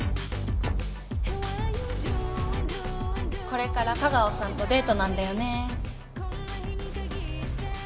これから香川さんとデートなんだよね。